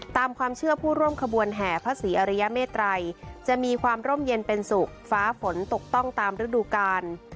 ตามความเชื่อผู้ร่วมขบวนแห่พระศรีอริยเมตรัยจะมีความร่มเย็นเป็นสุขฟ้าฝนตกต้องตามฤดูกาล